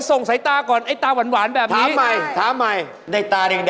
ตรงใส่ตาก่อนไอ้ตาหวานแบบนี้ใช่